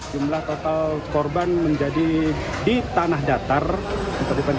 jumlah total korban menjadi di tanah datar berjumlah dua puluh sembilan orang